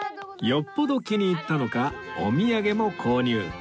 よっぽど気に入ったのかお土産も購入